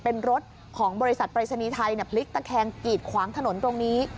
เป็นรถของบริษัทปรายศนีย์ไทยพลิกตะแคงกีดขวางถนนตรงนี้